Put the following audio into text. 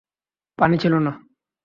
পানি ছিল না।